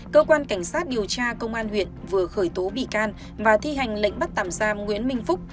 cơ quan cảnh sát điều tra công an huyện vừa khởi tố bị can và thi hành lệnh bắt tạm giam nguyễn minh phúc